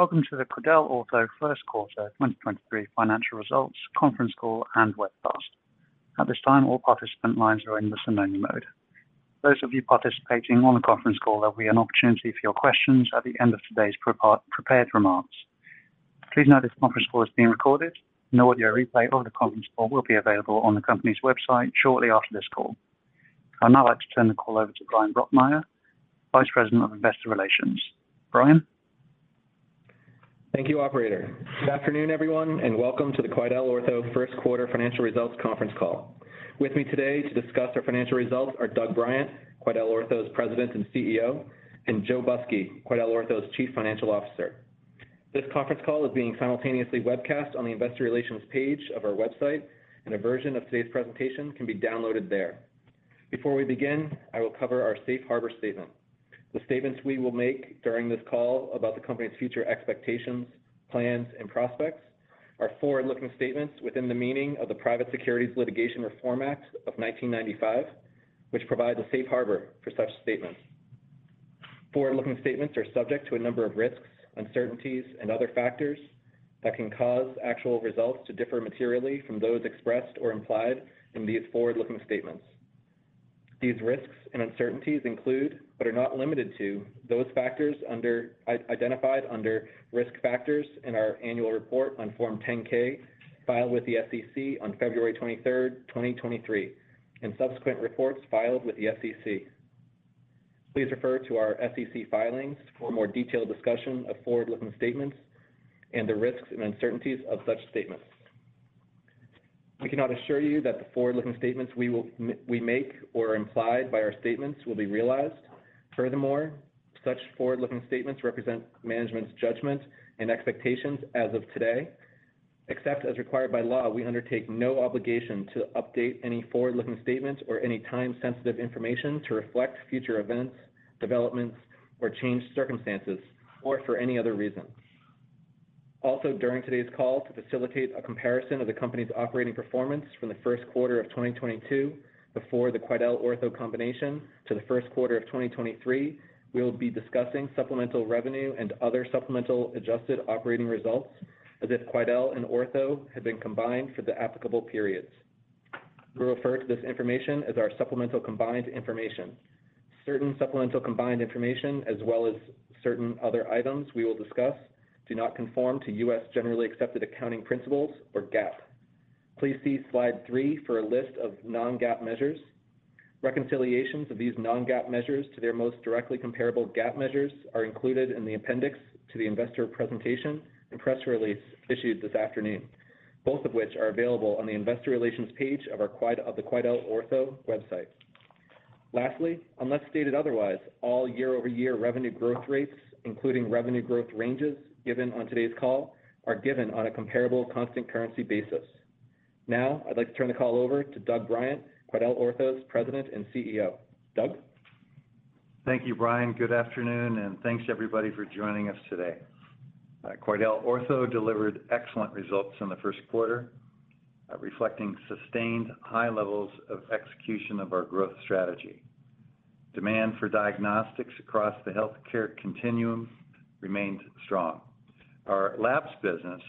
Welcome to the QuidelOrtho First Quarter 2023 Financial Results Conference Call and Webcast. At this time, all participant lines are in listen-only mode. Those of you participating on the conference call, there will be an opportunity for your questions at the end of today's prepared remarks. Please note this conference call is being recorded. An audio replay of the conference call will be available on the company's website shortly after this call. I'd now like to turn the call over to Bryan Brokmeier, Vice President of Investor Relations. Bryan? Thank you, operator. Good afternoon, everyone, and welcome to the QuidelOrtho First Quarter Financial Results Conference Call. With me today to discuss our financial results are Doug Bryant, QuidelOrtho's President and CEO, and Joe Busky, QuidelOrtho's Chief Financial Officer. This conference call is being simultaneously webcast on the investor relations page of our website, and a version of today's presentation can be downloaded there. Before we begin, I will cover our safe harbor statement. The statements we will make during this call about the company's future expectations, plans, and prospects are forward-looking statements within the meaning of the Private Securities Litigation Reform Act of 1995, which provides a safe harbor for such statements. Forward-looking statements are subject to a number of risks, uncertainties, and other factors that can cause actual results to differ materially from those expressed or implied in these forward-looking statements. These risks and uncertainties include, but are not limited to, those factors identified under Risk Factors in our Annual Report on Form 10-K filed with the SEC on February twenty-third, twenty-twenty-three, and subsequent reports filed with the SEC. Please refer to our SEC filings for a more detailed discussion of forward-looking statements and the risks and uncertainties of such statements. We cannot assure you that the forward-looking statements we make or imply will be realized. Furthermore, such forward-looking statements represent management's judgment and expectations as of today. Except as required by law, we undertake no obligation to update any forward-looking statements or any time-sensitive information to reflect future events, developments, or changed circumstances, or for any other reason. During today's call, to facilitate a comparison of the company's operating performance from the first quarter of 2022 before the QuidelOrtho combination to the first quarter of 2023, we will be discussing supplemental revenue and other supplemental adjusted operating results as if Quidel and Ortho had been combined for the applicable periods. We refer to this information as our supplemental combined information. Certain supplemental combined information, as well as certain other items we will discuss, do not conform to U.S. generally accepted accounting principles or GAAP. Please see slide 3 for a list of non-GAAP measures. Reconciliations of these non-GAAP measures to their most directly comparable GAAP measures are included in the appendix to the investor presentation and press release issued this afternoon, both of which are available on the investor relations page of our QuidelOrtho website. Lastly, unless stated otherwise, all year-over-year revenue growth rates, including revenue growth ranges given on today's call, are given on a comparable constant currency basis. Now, I'd like to turn the call over to Doug Bryant, QuidelOrtho's President and CEO. Doug? Thank you, Bryan. Good afternoon, and thanks to everybody for joining us today. QuidelOrtho delivered excellent results in the first quarter, reflecting sustained high levels of execution of our growth strategy. Demand for diagnostics across the healthcare continuum remained strong. Our labs business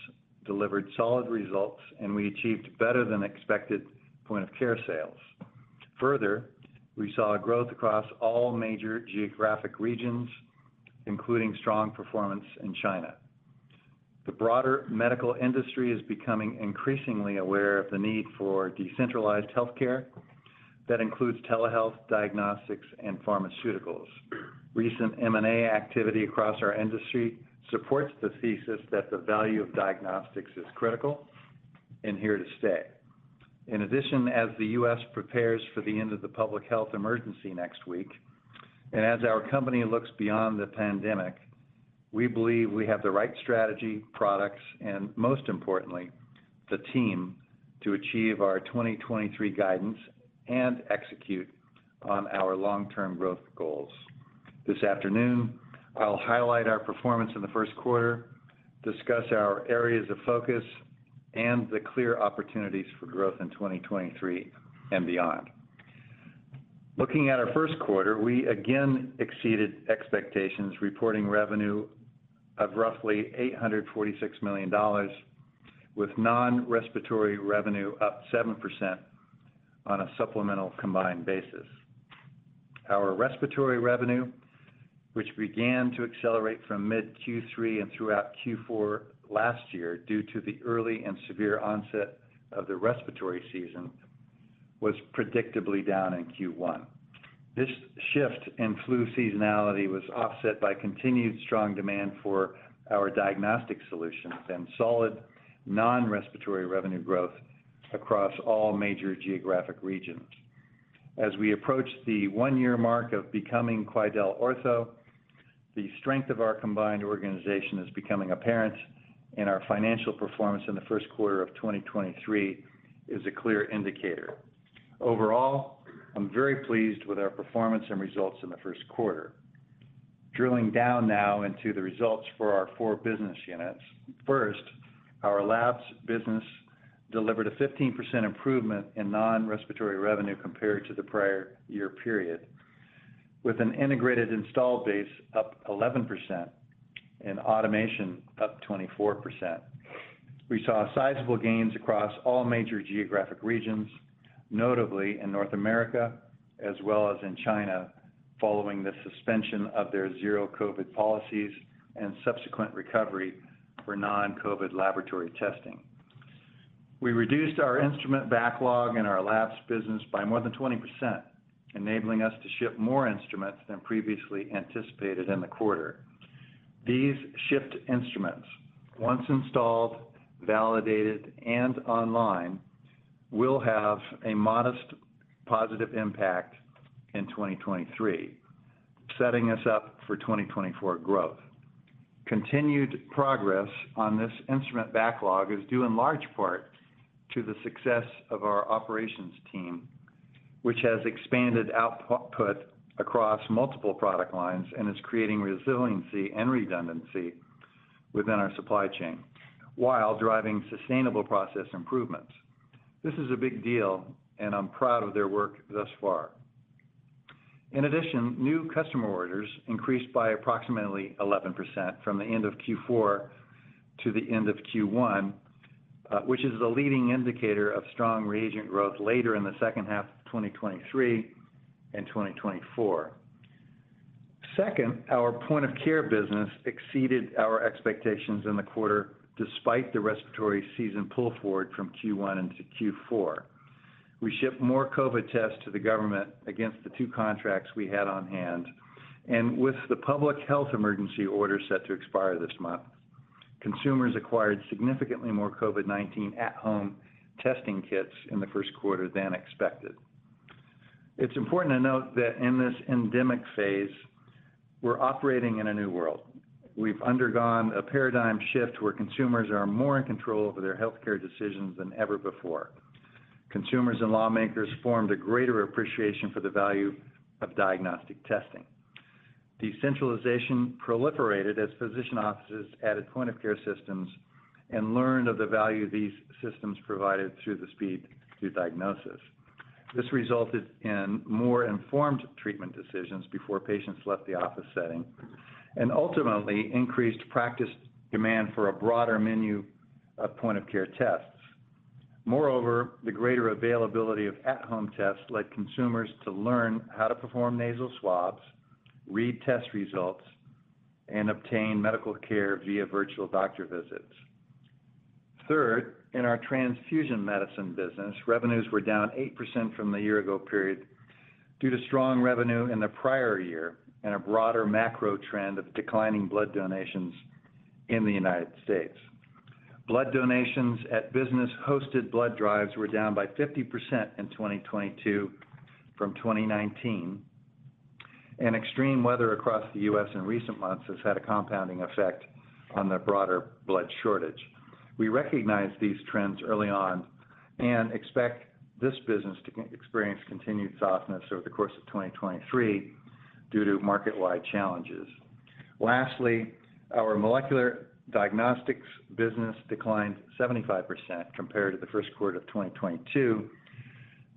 delivered solid results, and we achieved better than expected point of care sales. Further, we saw growth across all major geographic regions, including strong performance in China. The broader medical industry is becoming increasingly aware of the need for decentralized healthcare that includes telehealth, diagnostics, and pharmaceuticals. Recent M&A activity across our industry supports the thesis that the value of diagnostics is critical and here to stay. In addition, as the U.S. prepares for the end of the public health emergency next week, and as our company looks beyond the pandemic, we believe we have the right strategy, products, and most importantly, the team to achieve our 2023 guidance and execute on our long-term growth goals. This afternoon, I'll highlight our performance in the first quarter, discuss our areas of focus, and the clear opportunities for growth in 2023 and beyond. Looking at our first quarter, we again exceeded expectations, reporting revenue of roughly $846 million, with non-respiratory revenue up 7% on a supplemental combined basis. Our respiratory revenue, which began to accelerate from mid Q3 and throughout Q4 last year due to the early and severe onset of the respiratory season, was predictably down in Q1. This shift in flu seasonality was offset by continued strong demand for our diagnostic solutions and solid non-respiratory revenue growth across all major geographic regions. As we approach the one-year mark of becoming QuidelOrtho, the strength of our combined organization is becoming apparent, and our financial performance in the first quarter of 2023 is a clear indicator. Overall, I'm very pleased with our performance and results in the first quarter. Drilling down now into the results for our four business units. First, our labs business delivered a 15% improvement in non-respiratory revenue compared to the prior year period. With an integrated install base up 11% and automation up 24%. We saw sizable gains across all major geographic regions, notably in North America as well as in China, following the suspension of their Zero-COVID policies and subsequent recovery for non-COVID laboratory testing. We reduced our instrument backlog in our labs business by more than 20%, enabling us to ship more instruments than previously anticipated in the quarter. These shipped instruments, once installed, validated, and online, will have a modest positive impact in 2023, setting us up for 2024 growth. Continued progress on this instrument backlog is due in large part to the success of our operations team, which has expanded output across multiple product lines and is creating resiliency and redundancy within our supply chain while driving sustainable process improvements. This is a big deal, and I'm proud of their work thus far. In addition, new customer orders increased by approximately 11% from the end of Q4 to the end of Q1, which is the leading indicator of strong reagent growth later in the second half of 2023 and 2024. Second, our point of care business exceeded our expectations in the quarter despite the respiratory season pull forward from Q1 into Q4. We shipped more COVID tests to the government against the two contracts we had on hand. With the public health emergency order set to expire this month, consumers acquired significantly more COVID-19 at-home testing kits in the first quarter than expected. It's important to note that in this endemic phase, we're operating in a new world. We've undergone a paradigm shift where consumers are more in control over their healthcare decisions than ever before. Consumers and lawmakers formed a greater appreciation for the value of diagnostic testing. Decentralization proliferated as physician offices added point of care systems and learned of the value these systems provided through the speed to diagnosis. This resulted in more informed treatment decisions before patients left the office setting, and ultimately increased practice demand for a broader menu of point of care tests. Moreover, the greater availability of at-home tests led consumers to learn how to perform nasal swabs, read test results, and obtain medical care via virtual doctor visits. Third, in our transfusion medicine business, revenues were down 8% from the year ago period due to strong revenue in the prior year and a broader macro trend of declining blood donations in the U.S. Blood donations at business-hosted blood drives were down by 50% in 2022 from 2019, and extreme weather across the U.S. in recent months has had a compounding effect on the broader blood shortage. We recognized these trends early on and expect this business to experience continued softness over the course of 2023 due to market-wide challenges. Lastly, our molecular diagnostics business declined 75% compared to the first quarter of 2022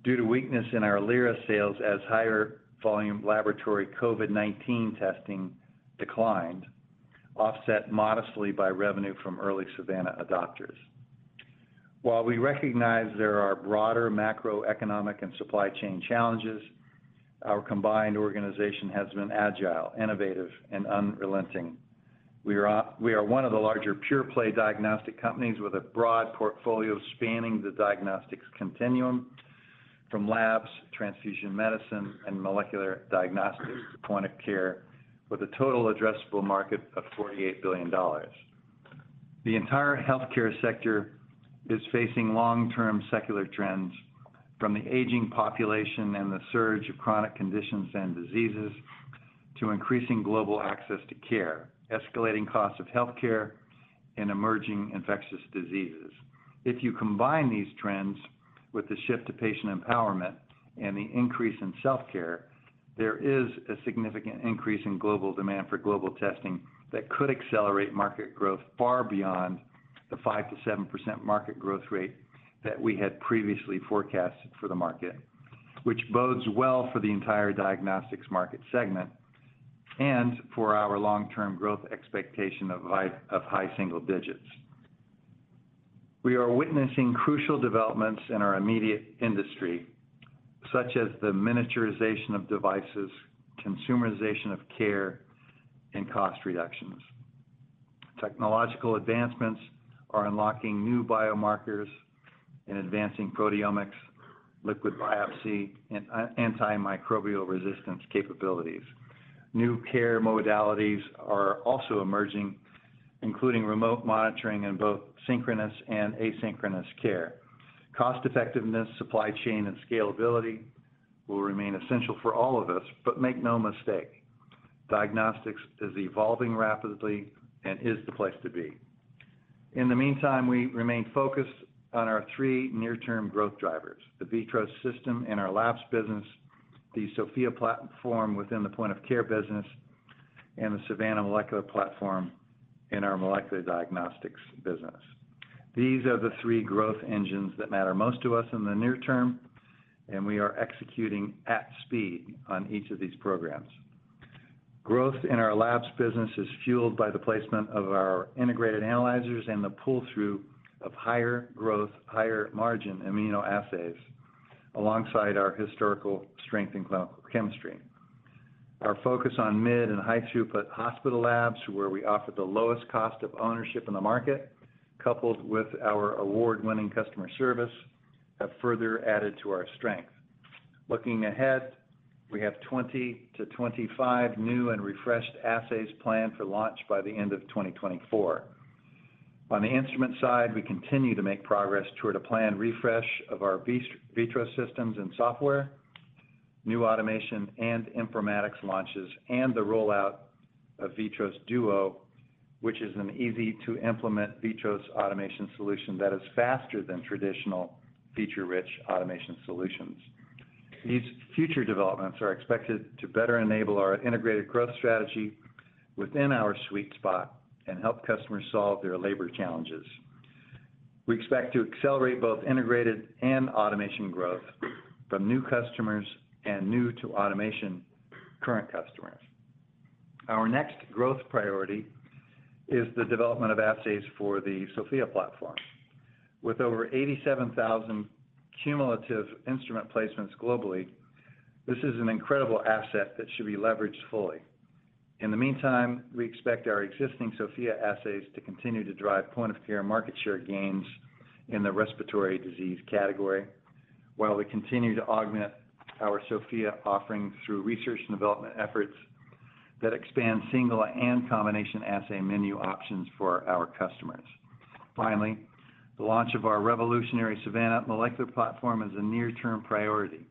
due to weakness in our Lyra sales as higher volume laboratory COVID-19 testing declined, offset modestly by revenue from early Savanna adopters. While we recognize there are broader macroeconomic and supply chain challenges, our combined organization has been agile, innovative, and unrelenting. We are one of the larger pure play diagnostic companies with a broad portfolio spanning the diagnostics continuum from labs, transfusion medicine, and molecular diagnostics to point of care with a total addressable market of $48 billion. The entire healthcare sector is facing long-term secular trends from the aging population and the surge of chronic conditions and diseases to increasing global access to care, escalating costs of healthcare and emerging infectious diseases. If you combine these trends with the shift to patient empowerment and the increase in self-care, there is a significant increase in global demand for testing that could accelerate market growth far beyond the 5%-7% market growth rate that we had previously forecasted for the market, which bodes well for the entire diagnostics market segment and for our long-term growth expectation of high single digits. We are witnessing crucial developments in our immediate industry, such as the miniaturization of devices, consumerization of care, and cost reductions. Technological advancements are unlocking new biomarkers and advancing proteomics, liquid biopsy, and antimicrobial resistance capabilities. New care modalities are also emerging, including remote monitoring in both synchronous and asynchronous care. Cost effectiveness, supply chain, and scalability will remain essential for all of us, but make no mistake, diagnostics is evolving rapidly and is the place to be. In the meantime, we remain focused on our three near-term growth drivers: the VITROS system and our labs business, the SOFIA platform within the point of care business and the Savanna molecular platform in our molecular diagnostics business. These are the three growth engines that matter most to us in the near term. We are executing at speed on each of these programs. Growth in our labs business is fueled by the placement of our integrated analyzers and the pull-through of higher growth, higher margin immunoassays alongside our historical strength in clinical chemistry. Our focus on mid and high throughput hospital labs, where we offer the lowest cost of ownership in the market, coupled with our award-winning customer service, have further added to our strength. Looking ahead, we have 20 to 25 new and refreshed assays planned for launch by the end of 2024. On the instrument side, we continue to make progress toward a planned refresh of our VITROS systems and software, new automation and informatics launches, and the rollout of VITROS Duo, which is an easy-to-implement VITROS automation solution that is faster than traditional feature-rich automation solutions. These future developments are expected to better enable our integrated growth strategy within our sweet spot and help customers solve their labor challenges. We expect to accelerate both integrated and automation growth from new customers and new to automation current customers. Our next growth priority is the development of assays for the SOFIA platform. With over 87,000 cumulative instrument placements globally, this is an incredible asset that should be leveraged fully. In the meantime, we expect our existing SOFIA assays to continue to drive point-of-care market share gains in the respiratory disease category, while we continue to augment our SOFIA offering through research and development efforts that expand single and combination assay menu options for our customers. Finally, the launch of our revolutionary Savanna molecular platform is a near-term priority.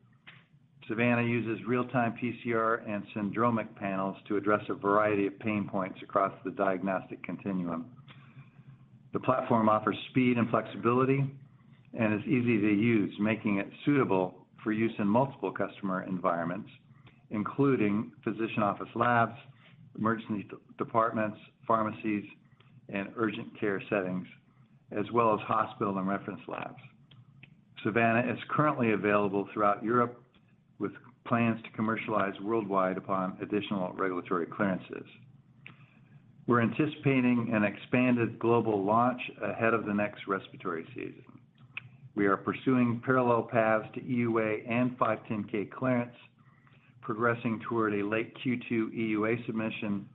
Savanna uses real-time PCR and syndromic panels to address a variety of pain points across the diagnostic continuum. The platform offers speed and flexibility and is easy to use, making it suitable for use in multiple customer environments, including physician office labs, emergency departments, pharmacies, and urgent care settings, as well as hospital and reference labs. Savanna is currently available throughout Europe with plans to commercialize worldwide upon additional regulatory clearances. We're anticipating an expanded global launch ahead of the next respiratory season. We are pursuing parallel paths to EUA and 510(k) clearance, progressing toward a late Q2 EUA submission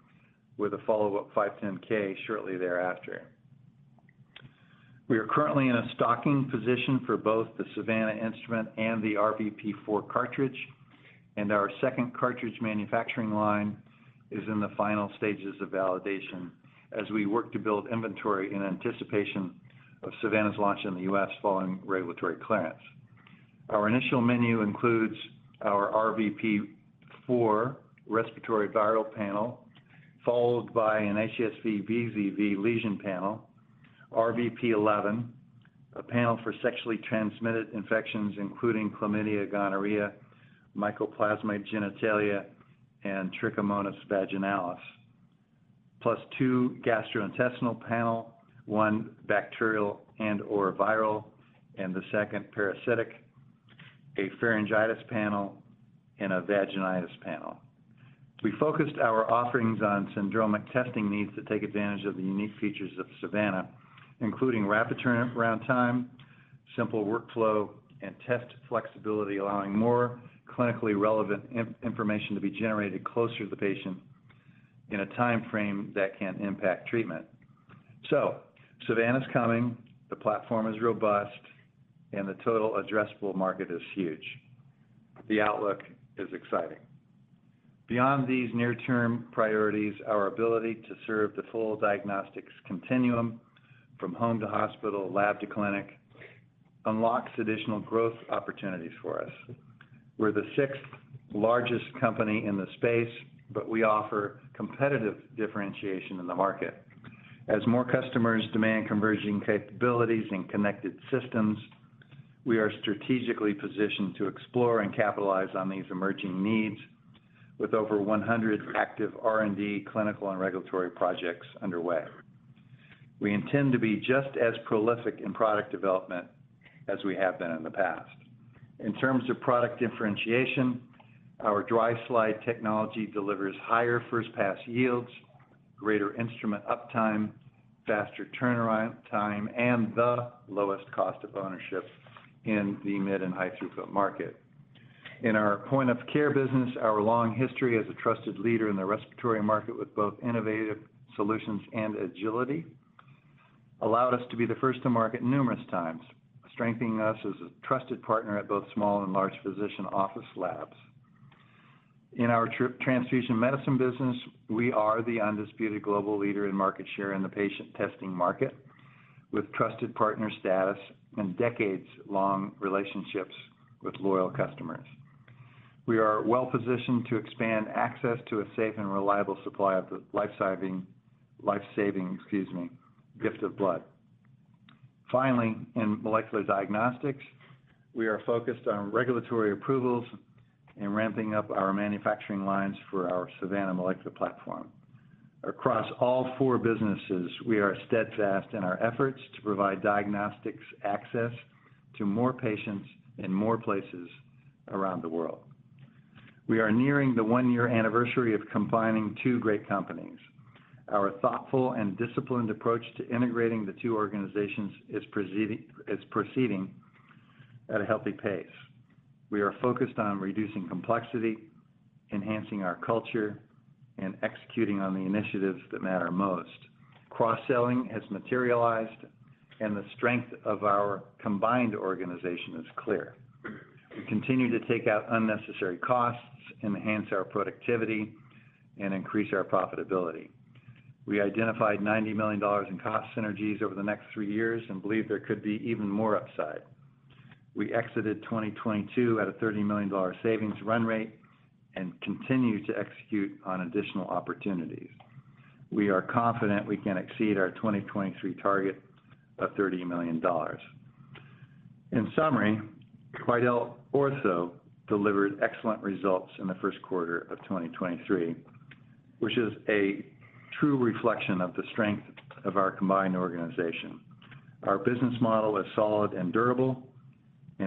with a follow-up 510(k) shortly thereafter. We are currently in a stocking position for both the Savanna instrument and the RVP4 cartridge, and our second cartridge manufacturing line is in the final stages of validation as we work to build inventory in anticipation of Savanna's launch in the U.S. following regulatory clearance. Our initial menu includes our RVP4 respiratory viral panel, followed by an HSV/VZV lesion panel, RVP11, a panel for sexually transmitted infections, including chlamydia, gonorrhea, Mycoplasma genitalium, and Trichomonas vaginalis, plus two gastrointestinal panels, one bacterial and/or viral, and the second parasitic, a pharyngitis panel, and a vaginitis panel. We focused our offerings on syndromic testing needs to take advantage of the unique features of Savanna, including rapid turn-around time, simple workflow, and test flexibility, allowing more clinically relevant information to be generated closer to the patient in a time frame that can impact treatment. Savanna is coming. The platform is robust, and the total addressable market is huge. The outlook is exciting. Beyond these near-term priorities, our ability to serve the full diagnostics continuum from home to hospital, lab to clinic, unlocks additional growth opportunities for us. We're the sixth-largest company in the space, but we offer competitive differentiation in the market. As more customers demand converging capabilities and connected systems, we are strategically positioned to explore and capitalize on these emerging needs with over 100 active R&D, clinical, and regulatory projects underway. We intend to be just as prolific in product development as we have been in the past. In terms of product differentiation, our dry slide technology delivers higher first-pass yields, greater instrument uptime, faster turnaround time and the lowest cost of ownership in the mid and high throughput market. In our point of care business, our long history as a trusted leader in the respiratory market with both innovative solutions and agility allowed us to be the first to market numerous times, strengthening us as a trusted partner at both small and large physician office labs. In our transfusion medicine business, we are the undisputed global leader in market share in the patient testing market with trusted partner status and decades-long relationships with loyal customers. We are well-positioned to expand access to a safe and reliable supply of the life-saving, excuse me, gift of blood. Finally, in molecular diagnostics, we are focused on regulatory approvals and ramping up our manufacturing lines for our Savanna molecular platform. Across all four businesses, we are steadfast in our efforts to provide diagnostics access to more patients in more places around the world. We are nearing the one-year anniversary of combining two great companies. Our thoughtful and disciplined approach to integrating the two organizations is proceeding at a healthy pace. We are focused on reducing complexity, enhancing our culture, and executing on the initiatives that matter most. Cross-selling has materialized, and the strength of our combined organization is clear. We continue to take out unnecessary costs, enhance our productivity, and increase our profitability. We identified $90 million in cost synergies over the next 3 years and believe there could be even more upside. We exited 2022 at a $30 million savings run rate and continue to execute on additional opportunities. We are confident we can exceed our 2023 target of $30 million. In summary, QuidelOrtho delivered excellent results in the first quarter of 2023, which is a true reflection of the strength of our combined organization. Our business model is solid and durable.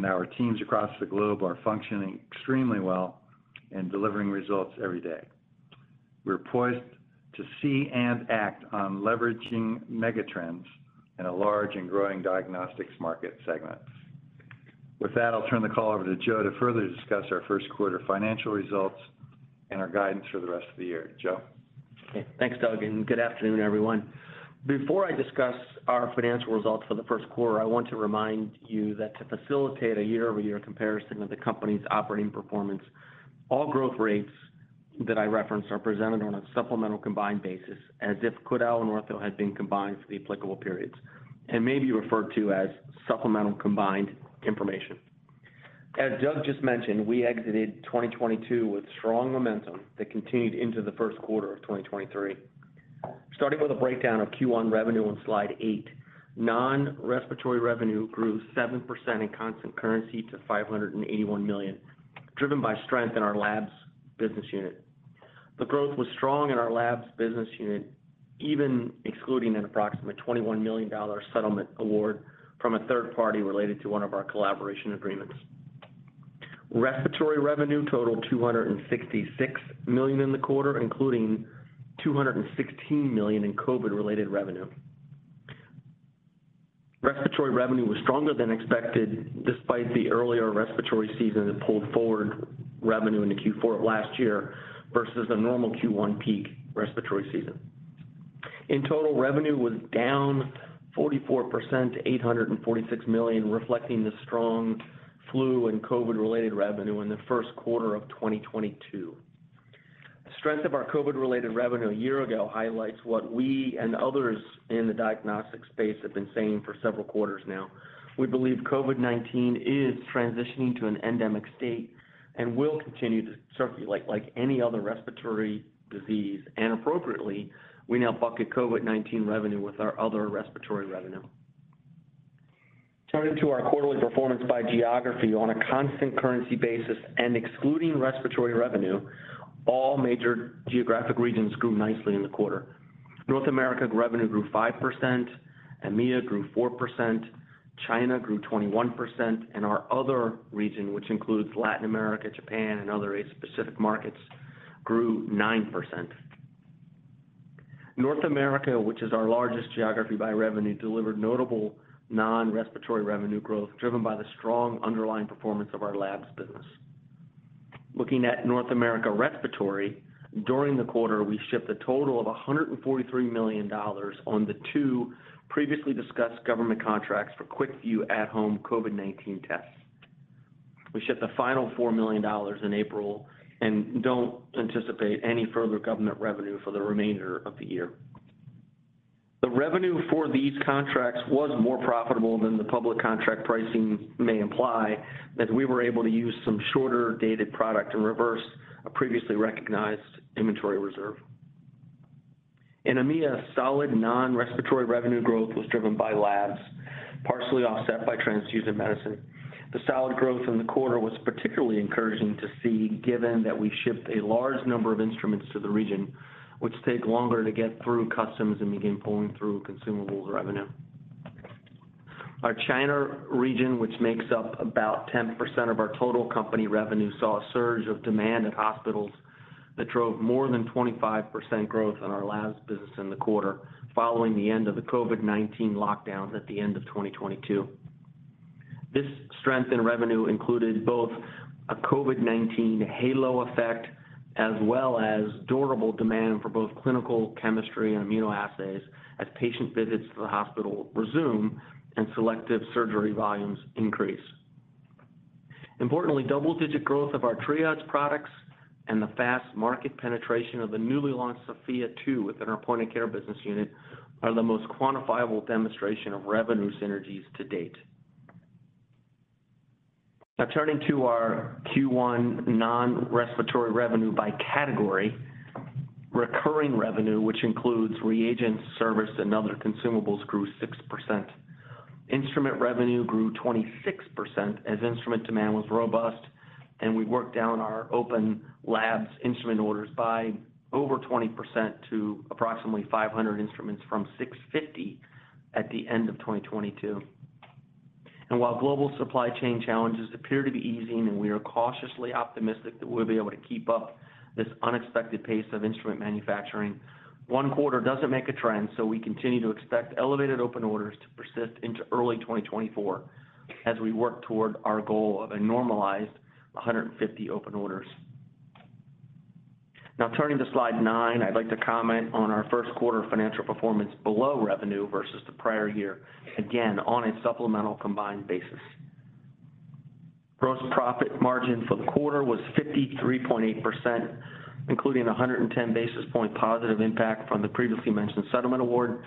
Our teams across the globe are functioning extremely well and delivering results every day. We're poised to see and act on leveraging mega trends in a large and growing diagnostics market segment. With that, I'll turn the call over to Joe to further discuss our first quarter financial results and our guidance for the rest of the year. Joe? Okay. Thanks, Doug, good afternoon, everyone. Before I discuss our financial results for the first quarter, I want to remind you that to facilitate a year-over-year comparison of the company's operating performance, all growth rates that I reference are presented on a supplemental combined basis as if Quidel and Ortho had been combined for the applicable periods and may be referred to as supplemental combined information. As Doug just mentioned, we exited 2022 with strong momentum that continued into the first quarter of 2023. Starting with a breakdown of Q1 revenue on slide 8, non-respiratory revenue grew 7% in constant currency to $581 million, driven by strength in our labs business unit. The growth was strong in our labs business unit, even excluding an approximate $21 million settlement award from a third party related to one of our collaboration agreements. Respiratory revenue totaled $266 million in the quarter, including $216 million in COVID-related revenue. Respiratory revenue was stronger than expected despite the earlier respiratory season that pulled forward revenue into Q4 last year versus the normal Q1 peak respiratory season. In total, revenue was down 44% to $846 million, reflecting the strong flu and COVID-related revenue in the first quarter of 2022. The strength of our COVID-related revenue a year ago highlights what we and others in the diagnostics space have been saying for several quarters now. We believe COVID-19 is transitioning to an endemic state and will continue to circulate like any other respiratory disease. Appropriately, we now bucket COVID-19 revenue with our other respiratory revenue. Turning to our quarterly performance by geography on a constant currency basis and excluding respiratory revenue, all major geographic regions grew nicely in the quarter. North America revenue grew 5%, EMEA grew 4%, China grew 21%, and our other region, which includes Latin America, Japan, and other Asia-Pacific markets, grew 9%. North America, which is our largest geography by revenue, delivered notable non-respiratory revenue growth, driven by the strong underlying performance of our labs business. Looking at North America respiratory, during the quarter, we shipped a total of $143 million on the two previously discussed government contracts for QuickVue at-home COVID-19 tests. We shipped the final $4 million in April and don't anticipate any further government revenue for the remainder of the year. The revenue for these contracts was more profitable than the public contract pricing may imply that we were able to use some shorter dated product and reverse a previously recognized inventory reserve. In EMEA, solid non-respiratory revenue growth was driven by labs, partially offset by transfusion medicine. The solid growth in the quarter was particularly encouraging to see given that we shipped a large number of instruments to the region, which take longer to get through customs and begin pulling through consumables revenue. Our China region, which makes up about 10% of our total company revenue, saw a surge of demand at hospitals that drove more than 25% growth in our labs business in the quarter following the end of the COVID-19 lockdowns at the end of 2022. This strength in revenue included both a COVID-19 halo effect as well as durable demand for both clinical chemistry and immunoassays as patient visits to the hospital resume and selective surgery volumes increase. Importantly, double-digit growth of our Triage products and the fast market penetration of the newly launched SOFIA 2 within our point-of-care business unit are the most quantifiable demonstration of revenue synergies to date. Turning to our Q1 non-respiratory revenue by category. Recurring revenue, which includes reagents, service, and other consumables, grew 6%. Instrument revenue grew 26% as instrument demand was robust, and we worked down our open labs instrument orders by over 20% to approximately 500 instruments from 650 at the end of 2022. While global supply chain challenges appear to be easing, and we are cautiously optimistic that we'll be able to keep up this unexpected pace of instrument manufacturing, one quarter doesn't make a trend, so we continue to expect elevated open orders to persist into early 2024 as we work toward our goal of normalizing to 150 open orders. Now turning to slide 9, I'd like to comment on our first quarter financial performance below revenue versus the prior year, again, on a supplemental combined basis. Gross profit margin for the quarter was 53.8%, including 110 basis point positive impact from the previously mentioned settlement award,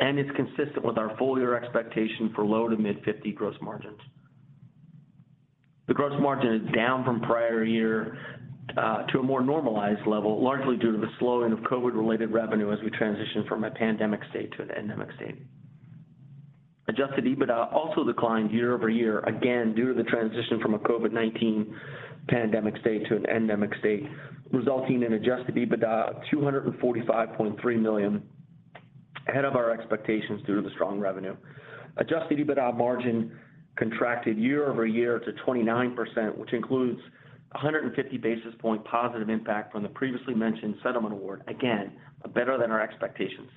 and it's consistent with our full year expectation for low-to-mid 50% gross margins. The gross margin is down from prior year to a more normalized level, largely due to the slowing of COVID-related revenue as we transition from a pandemic state to an endemic state. Adjusted EBITDA also declined year-over-year, again due to the transition from a COVID-19 pandemic state to an endemic state, resulting in adjusted EBITDA of $245.3 million, ahead of our expectations due to the strong revenue. Adjusted EBITDA margin contracted year-over-year to 29%, which includes 150 basis point positive impact from the previously mentioned settlement award. Again, better than our expectations.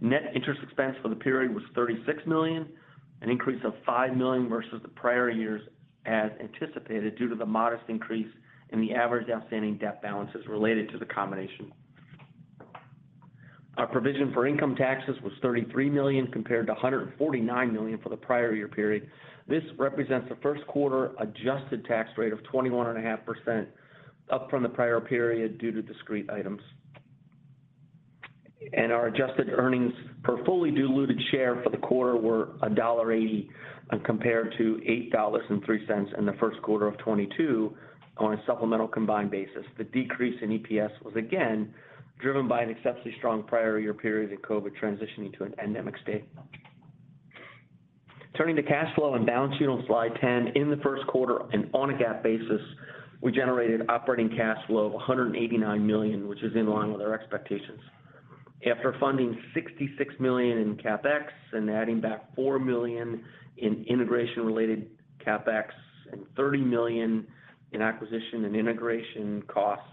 Net interest expense for the period was $36 million, an increase of $5 million versus the prior year, as anticipated due to the modest increase in the average outstanding debt balances related to the combination. Our provision for income taxes was $33 million, compared to $149 million for the prior year period. This represents a first quarter adjusted tax rate of 21.5%, up from the prior period due to discrete items. Our adjusted earnings per fully diluted share for the quarter were $1.80 compared to $8.03 in the first quarter of 2022 on a supplemental combined basis. The decrease in EPS was again driven by an exceptionally strong prior year period in COVID transitioning to an endemic state. Turning to cash flow and balance sheet on slide 10. In the first quarter and on a GAAP basis, we generated operating cash flow of $189 million, which is in line with our expectations. After funding $66 million in CapEx and adding back $4 million in integration related CapEx and $30 million in acquisition and integration costs,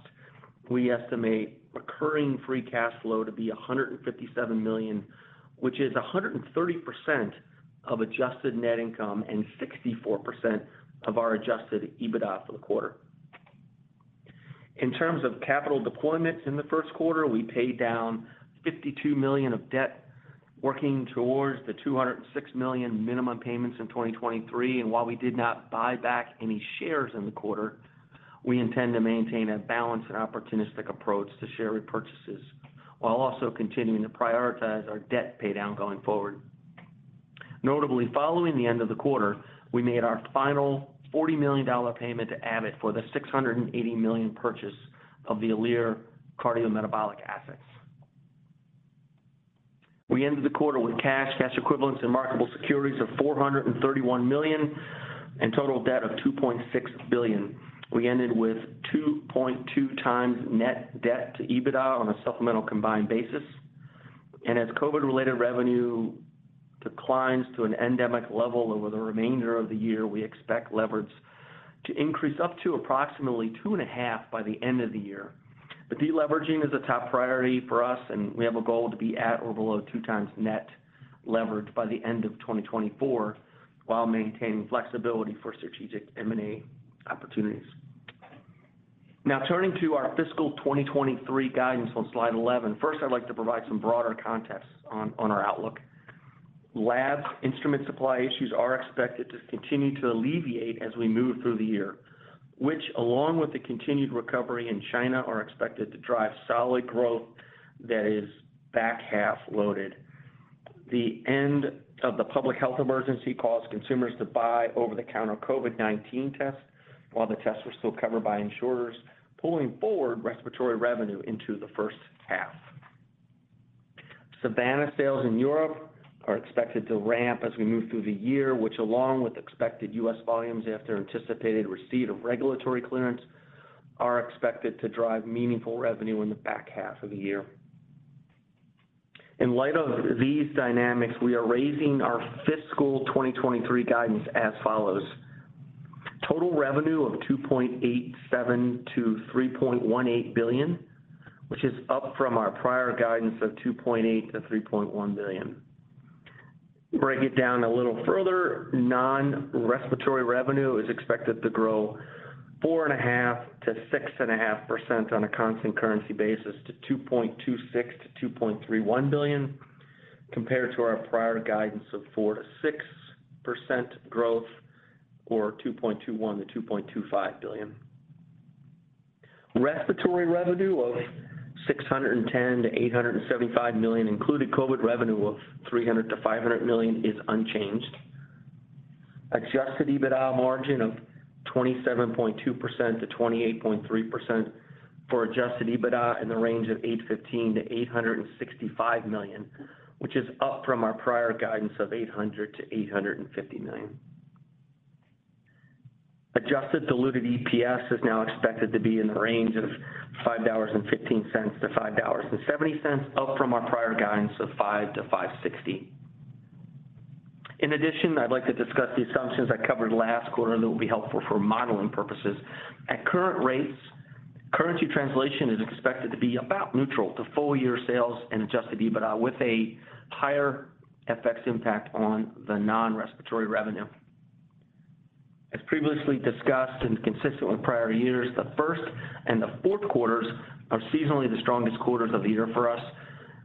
we estimate recurring free cash flow to be $157 million, which is 130% of adjusted net income and 64% of our adjusted EBITDA for the quarter. In terms of capital deployments in the first quarter, we paid down $52 million of debt working towards the $206 million minimum payments in 2023. While we did not buy back any shares in the quarter, we intend to maintain a balanced and opportunistic approach to share repurchases while also continuing to prioritize our debt paydown going forward. Notably, following the end of the quarter, we made our final $40 million payment to Abbott for the $680 million purchase of the Alere cardiometabolic assets. We ended the quarter with cash equivalents and marketable securities of $431 million and total debt of $2.6 billion. We ended with 2.2x net debt to EBITDA on a supplemental combined basis. As COVID related revenue declines to an endemic level over the remainder of the year, we expect leverage to increase up to approximately 2.5x by the end of the year. Deleveraging is a top priority for us, and we have a goal to be at or below 2x net leverage by the end of 2024 while maintaining flexibility for strategic M&A opportunities. Turning to our fiscal 2023 guidance on slide 11. First, I'd like to provide some broader context on our outlook. Lab instrument supply issues are expected to continue to ease as we move through the year, which along with the continued recovery in China, are expected to drive solid growth that is back-half loaded. The end of the public health emergency caused consumers to buy over-the-counter COVID-19 tests while the tests were still covered by insurers, pulling forward respiratory revenue into the first half. Savanna sales in Europe are expected to ramp as we move through the year, which along with expected U.S. volumes after anticipated receipt of regulatory clearance, are expected to drive meaningful revenue in the back half of the year. In light of these dynamics, we are raising our fiscal 2023 guidance as follows: Total revenue of $2.87 billion to $3.18 billion, which is up from our prior guidance of $2.8 billion-$3.1 billion. Break it down a little further. Non-respiratory revenue is expected to grow 4.5%-6.5% on a constant currency basis to $2.26 billion to $2.31 billion, compared to our prior guidance of 4%-6% growth or $2.21 billion-$2.25 billion. Respiratory revenue of $610 million to $875 million included COVID revenue of $300 million to $500 million is unchanged. Adjusted EBITDA margin of 27.2%-28.3% for adjusted EBITDA in the range of $815 million to $865 million, which is up from our prior guidance of $800 million-$850 million. Adjusted diluted EPS is now expected to be in the range of $5.15 to $5.70, up from our prior guidance of $5-$5.60. In addition, I'd like to discuss the assumptions I covered last quarter that will be helpful for modeling purposes. At current rates, currency translation is expected to be about neutral to full year sales and adjusted EBITDA, with a higher FX impact on the non-respiratory revenue. As previously discussed and consistent with prior years, the first and the fourth quarters are seasonally the strongest quarters of the year for us.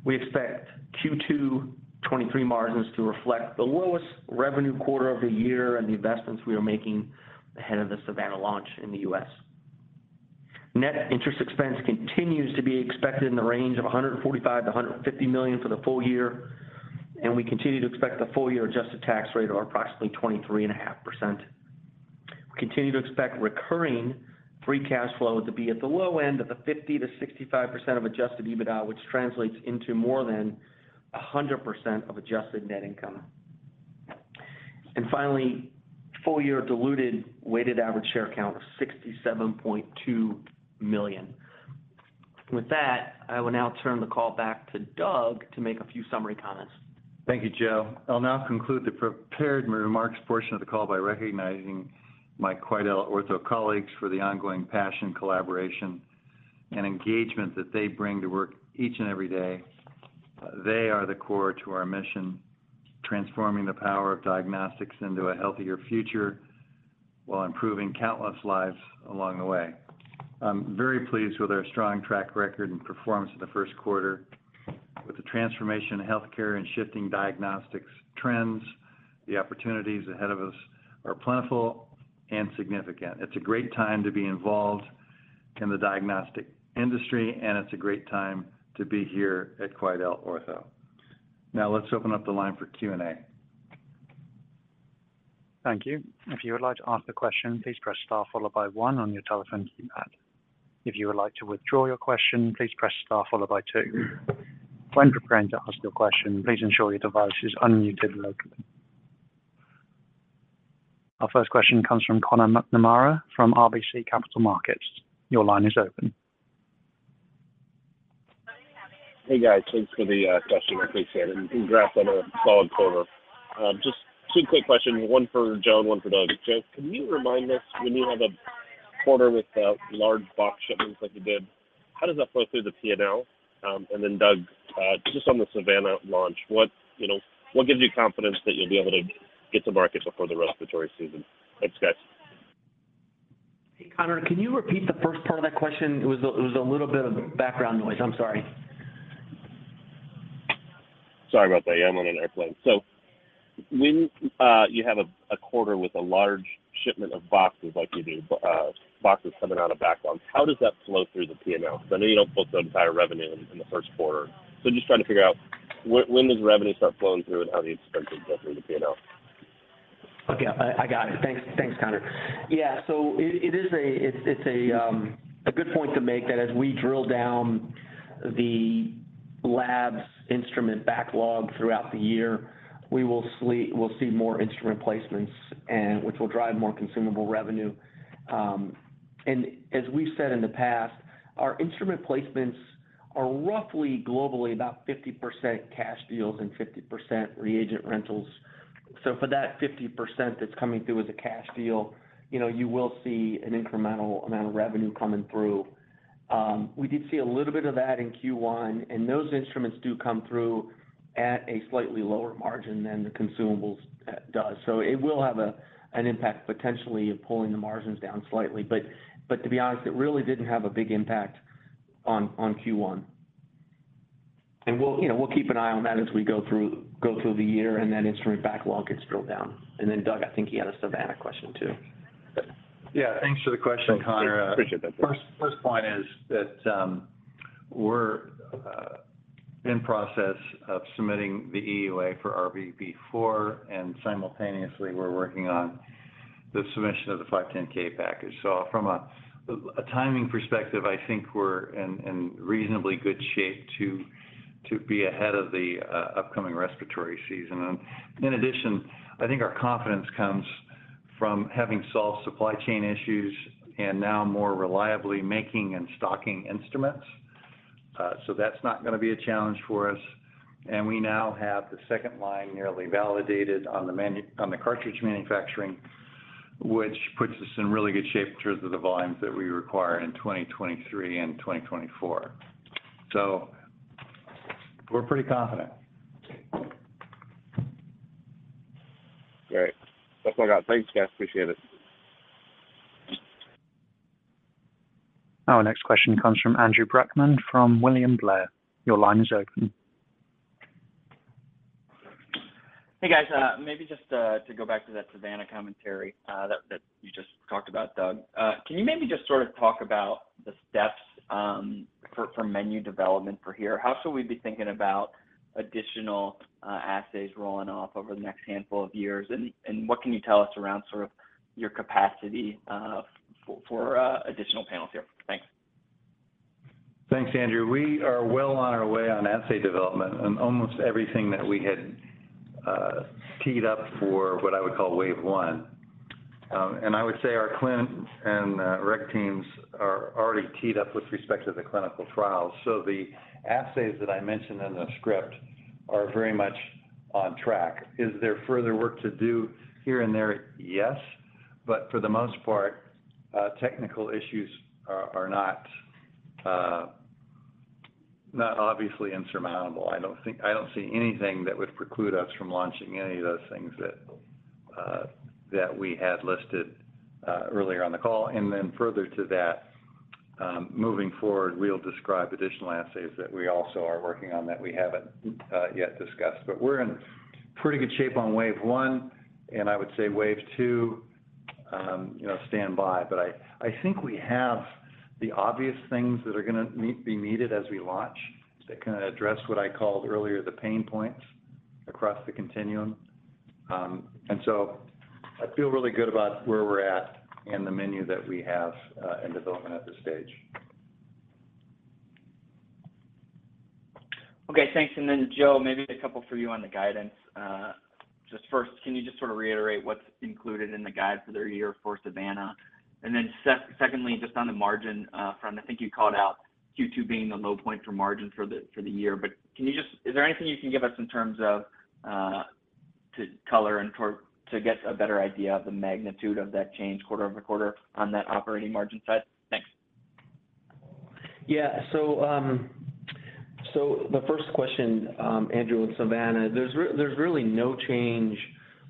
We expect Q2 2023 margins to reflect the lowest revenue quarter of the year and the investments we are making ahead of the Savanna launch in the U.S. Net interest expense continues to be expected in the range of $145 million to $150 million for the full year. We continue to expect the full year adjusted tax rate of approximately 23.5%. We continue to expect recurring free cash flow to be at the low end of the 50%-65% of adjusted EBITDA, which translates into more than 100% of adjusted net income. Finally, full year diluted weighted average share count of 67.2 million. With that, I will now turn the call back to Doug to make a few summary comments. Thank you, Joe. I'll now conclude the prepared remarks portion of the call by recognizing my QuidelOrtho colleagues for the ongoing passion, collaboration, and engagement that they bring to work each and every day. They are the core to our mission, transforming the power of diagnostics into a healthier future while improving countless lives along the way. I'm very pleased with our strong track record and performance in the first quarter. With the transformation in healthcare and shifting diagnostics trends, the opportunities ahead of us are plentiful and significant. It's a great time to be involved in the diagnostic industry, and it's a great time to be here at QuidelOrtho. Let's open up the line for Q&A. Thank you. If you would like to ask a question, please press star followed by one on your telephone keypad. If you would like to withdraw your question, please press star followed by two. When preparing to ask your question, please ensure your device is unmuted locally. Our first question comes from Conor McNamara from RBC Capital Markets. Your line is open. Hey, guys. Thanks for the question. I appreciate it, and congrats on a solid quarter. Just two quick questions, one for Joe and one for Doug. Joe, can you remind us when you have a quarter with large box shipments like you did, how does that flow through the PNL? Doug, just on the Savanna launch, what, you know, what gives you confidence that you'll be able to get to market before the respiratory season? Thanks, guys. Hey, Conor, can you repeat the first part of that question? It was a little bit of background noise. I'm sorry. Sorry about that. Yeah, I'm on an airplane. When you have a quarter with a large shipment of boxes like you do, boxes coming out of backlogs, how does that flow through the PNL? I know you don't book the entire revenue in the first quarter. I'm just trying to figure out when does revenue start flowing through and how the expenses go through the PNL. Okay. I got it. Thanks, Conor. Yeah. It's a good point to make that as we drill down the labs instrument backlog throughout the year, we'll see more instrument placements and which will drive more consumable revenue. As we've said in the past, our instrument placements are roughly globally about 50% cash deals and 50% reagent rentals. For that 50% that's coming through as a cash deal, you know, you will see an incremental amount of revenue coming through. We did see a little bit of that in Q1, and those instruments do come through at a slightly lower margin than consumables do. It will have an impact potentially of pulling the margins down slightly, but to be honest, it really didn't have a big impact on Q1. We'll, you know, we'll keep an eye on that as we go through the year and that instrument backlog gets drilled down. Doug, I think he had a Savanna question too. Yeah. Thanks for the question, Conor. Sure. Appreciate that. First point is that we're in process of submitting the EUA for RVP4, simultaneously we're working on the submission of the 510(k) package. From a timing perspective, I think we're in reasonably good shape to be ahead of the upcoming respiratory season. In addition, I think our confidence comes from having solved supply chain issues and now more reliably making and stocking instruments. That's not gonna be a challenge for us. We now have the second line nearly validated on the cartridge manufacturing, which puts us in really good shape in terms of the volumes that we require in 2023 and 2024. We're pretty confident. Great. That's all I got. Thanks, guys. Appreciate it. Our next question comes from Andrew Brackmann from William Blair. Your line is open. Hey guys, maybe just to go back to that Savanna commentary that you just talked about, Doug. Can you maybe just sort of talk about the steps for menu development for here? How should we be thinking about additional assays rolling off over the next handful of years? What can you tell us around sort of your capacity for additional panels here? Thanks. Thanks, Andrew. We are well on our way on assay development, almost everything that we had teed up for what I would call wave one. I would say our clin and rec teams are already teed up with respect to the clinical trials. The assays that I mentioned in the script are very much on track. Is there further work to do here and there? Yes. For the most part, technical issues are not obviously insurmountable. I don't see anything that would preclude us from launching any of those things that we had listed earlier on the call. Further to that, moving forward, we'll describe additional assays that we also are working on that we haven't yet discussed. We're in pretty good shape on wave one, and I would say wave two, you know, standby. I think we have the obvious things that are gonna be needed as we launch that kind of address what I called earlier, the pain points across the continuum. I feel really good about where we're at and the menu that we have in development at this stage. Okay, thanks. Joe, maybe a couple for you on the guidance. Just first, can you just sort of reiterate what's included in the guide for the year for Savanna? Secondly, just on the margin front, I think you called out Q2 being the low point for margin for the year. Can you is there anything you can give us in terms of to color to get a better idea of the magnitude of that change quarter-over-quarter on that operating margin side? Thanks. Yeah. The first question, Andrew, on Savanna. There's really no change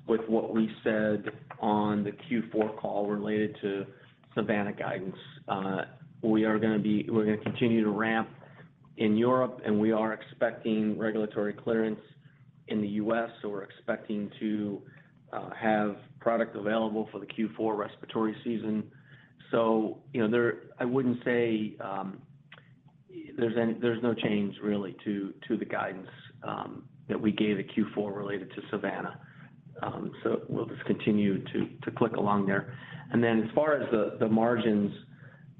with what we said on the Q4 call related to Savanna guidance. We're gonna continue to ramp in Europe, and we are expecting regulatory clearance in the US. We're expecting to have product available for the Q4 respiratory season. You know, there-- I wouldn't say there's any-- there's no change really, to the guidance that we gave at Q4 related to Savanna. We'll just continue to click along there. Then as far as the margins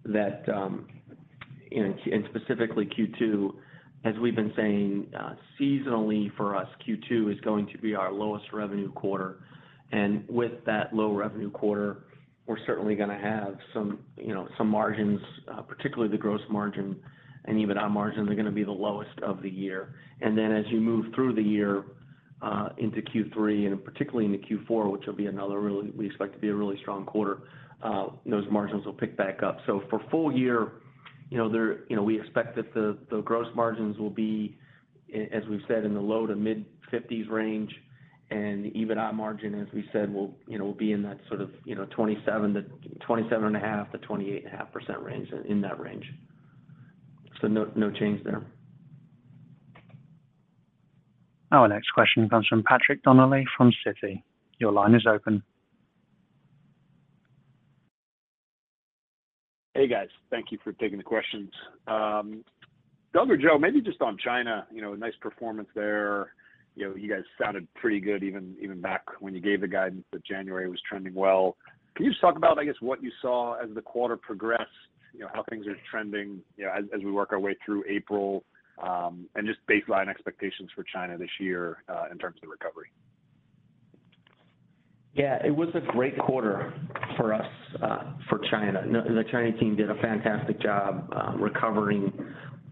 that, you know, and specifically Q2, as we've been saying, seasonally for us, Q2 is going to be our lowest revenue quarter. With that low revenue quarter, we're certainly gonna have some, you know, some margins, particularly the gross margin and EBITDA margin, they're gonna be the lowest of the year. As you move through the year, into Q3 and particularly into Q4, which will be another really strong quarter, those margins will pick back up. For full year, you know, there, you know, we expect that the gross margins will be as we've said, in the low-to-mid 50% range. The EBITDA margin, as we said, will, you know, will be in that sort of, you know, 27.5%-28.5% range, in that range. No, no change there. Our next question comes from Patrick Donnelly from Citi. Your line is open. Hey, guys. Thank you for taking the questions. Doug or Joe, maybe just on China, you know, nice performance there. You know, you guys sounded pretty good even back when you gave the guidance that January was trending well. Can you just talk about, I guess, what you saw as the quarter progressed? You know, how things are trending as we work our way through April and just baseline expectations for China this year in terms of recovery. Yeah, it was a great quarter for us for China. The China team did a fantastic job recovering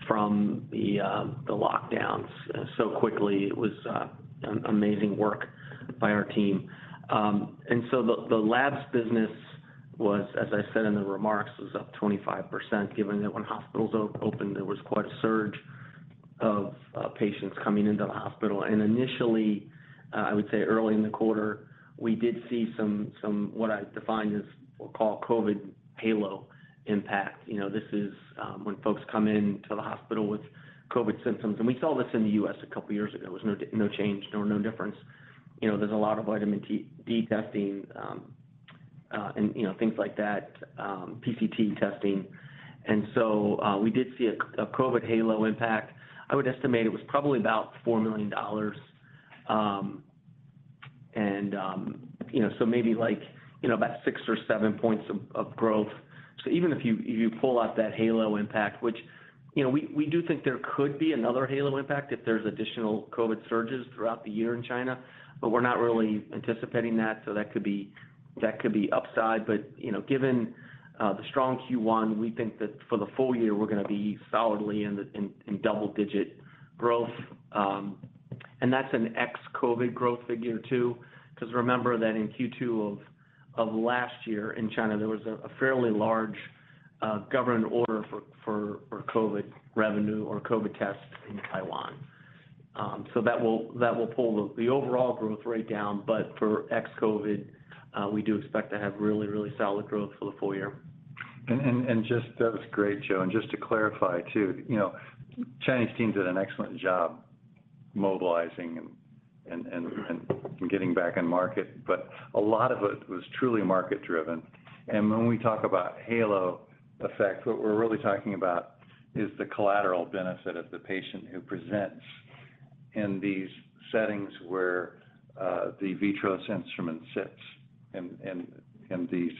from the lockdowns so quickly. It was an amazing work by our team. The labs business was, as I said in the remarks, was up 25%, given that when hospitals opened, there was quite a surge of patients coming into the hospital. Initially, I would say early in the quarter, we did see some, what I define as we'll call COVID halo impact. You know, this is when folks come into the hospital with COVID symptoms, and we saw this in the U.S. 2 years ago. It was no change, no difference. You know, there's a lot of vitamin D testing, and, you know, things like that, PCT testing. We did see a COVID halo impact. I would estimate it was probably about $4 million. And, you know, so maybe like, you know, about 6 or 7 points of growth. Even if you pull out that halo impact, which, you know, we do think there could be another halo impact if there's additional COVID surges throughout the year in China, but we're not really anticipating that. That could be upside. You know, given the strong Q1, we think that for the full year, we're gonna be solidly in double-digit growth. That's an ex-COVID growth figure too, because remember that in Q2 of last year in China, there was a fairly large government order for COVID revenue or COVID tests in Taiwan. That will pull the overall growth rate down. For ex-COVID, we do expect to have really solid growth for the full year. Just to add to that, Joe. Just to clarify too, you know, Chinese team did an excellent job mobilizing and getting back in market, but a lot of it was truly market-driven. When we talk about halo effect, what we're really talking about is the collateral benefit of the patient who presents in these settings where the VITROS instrument sits in these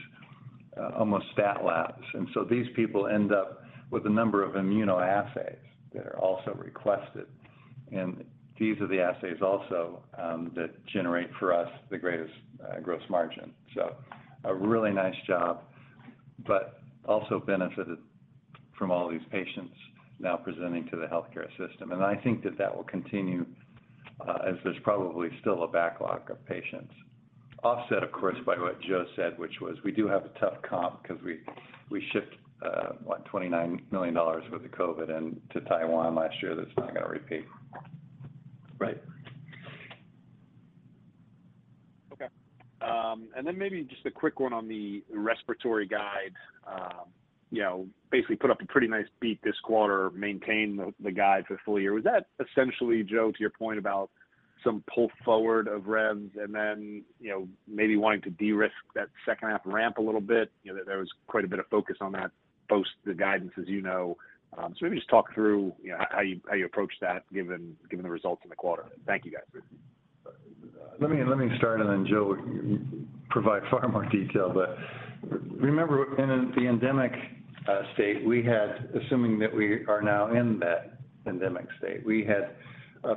almost stat labs. These people end up with a number of immunoassays that are also requested. These are the assays also that generate for us the greatest gross margin. A really nice job, but also benefited from all these patients now presenting to the healthcare system. I think that that will continue as there's probably still a backlog of patients. Offset, of course, by what Joe said, which was we do have a tough comp because we shipped, what, $29 million worth of COVID into Taiwan last year that's not going to repeat. Right. Okay. Maybe just a quick one on the respiratory guide. You know, basically put up a pretty nice beat this quarter, maintained the guide for the full year. Was that essentially, Joe, to your point about some pull forward of REMS and then, you know, maybe wanting to de-risk that second half ramp a little bit? You know, there was quite a bit of focus on that post the guidance, as you know. Maybe just talk through, you know, how you approached that given the results in the quarter. Thank you, guys. Let me start and then Joe will provide far more detail. Remember in the endemic state, we had, assuming that we are now in that endemic state, we had